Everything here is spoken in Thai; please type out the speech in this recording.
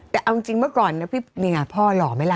แต่เอาจริงเมื่อก่อนพ่อหล่อไหมล่ะ